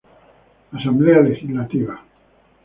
Asamblea legislativa